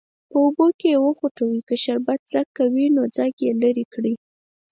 په اوبو کې وخوټوئ که شربت ځګ کوي نو ځګ یې لرې کړئ.